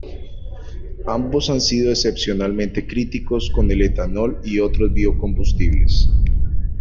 Ambos han sido excepcionalmente críticos con el etanol y otros biocombustibles.